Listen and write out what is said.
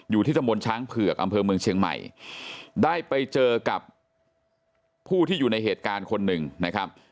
ที่ตะมนต์ช้างเผือกอำเภอเมืองเชียงใหม่ได้ไปเจอกับผู้ที่อยู่ในเหตุการณ์คนหนึ่งนะครับ